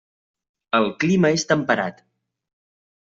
El clima és temperat.